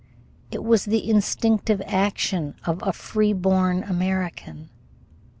It was the instinctive action of a free born American.